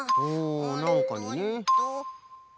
おなんかにね。